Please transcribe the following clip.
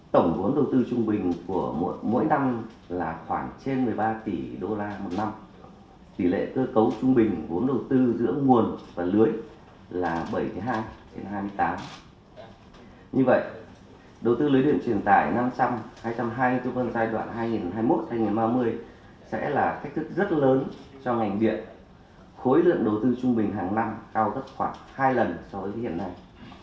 trong ngành điện khối lượng đầu tư trung bình hàng năm cao tất khoảng hai lần so với hiện nay